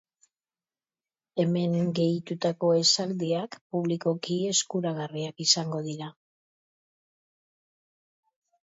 Hemen gehitutako esaldiak publikoki eskuragarriak izango dira.